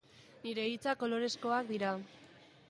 Nire hitzak kolorezkoak dira